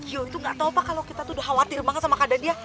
gio itu gak tau apa kalau kita tuh udah khawatir banget sama keadaan dia